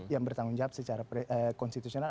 yang bertanggung jawab secara konstitusional